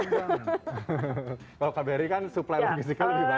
kalau kbri kan supply logistical lebih banyak